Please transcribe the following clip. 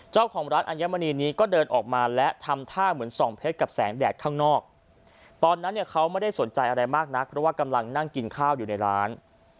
เจ้าของร้านอัญมณีนี้ก็เดินออกมาและทำท่าเหมือนส่องเพชรกับแสงแดดข้างนอกตอนนั้นเนี่ยเขาไม่ได้สนใจอะไรมากนักเพราะว่ากำลังนั่งกินข้าวอยู่ในร้าน